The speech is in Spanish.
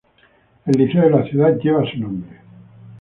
El liceo de la ciudad lleva su nombre.